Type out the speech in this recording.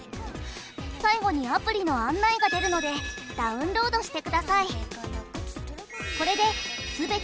最後にアプリの案内が出るのでダウンロードしてください。